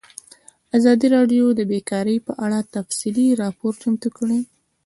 ازادي راډیو د بیکاري په اړه تفصیلي راپور چمتو کړی.